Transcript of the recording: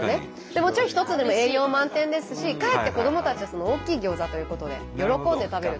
もちろん１つでも栄養満点ですしかえって子どもたちは大きいギョーザということで喜んで食べると。